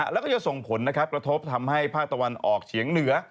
แล้วก็จะส่งผลกระทบทำให้ภาคตะวันออกเฉียงเหนือ